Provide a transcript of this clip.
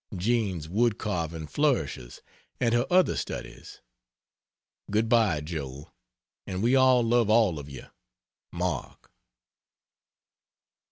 Jean's woodcarving flourishes, and her other studies. Good bye Joe and we all love all of you. MARK.